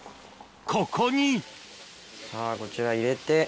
ここにさぁこちら入れて。